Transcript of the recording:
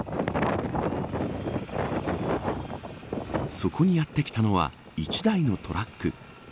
そこにやってきたのは１台のトラック。